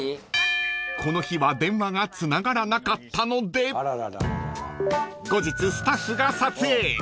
［この日は電話がつながらなかったので後日スタッフが撮影］